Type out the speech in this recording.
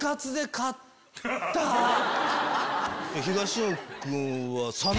東野君は。